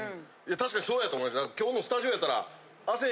確かにそうやと思います。